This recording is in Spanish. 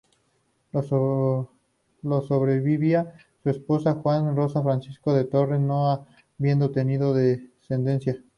Lo sobrevivía su esposa, Juana Rosa Franco de Torres, no habiendo tenido descendencia.